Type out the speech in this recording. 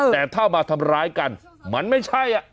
แต่ถ้ามาทำร้ายกันมันไม่ใช่